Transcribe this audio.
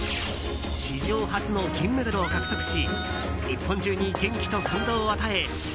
史上初の銀メダルを獲得し日本中に元気と感動を与え